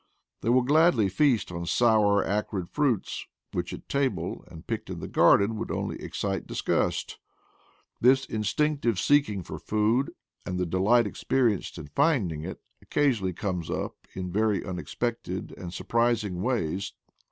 They will gladly feast on sour, acrid fruits, which at table, and picked in the garden, would only excite disgust. This instinctive seeking for food, and the delight experienced in finding it, occasionally comes up in very unexpected and surprising ways.